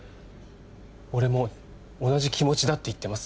俺も同じ気持ちだって言ってます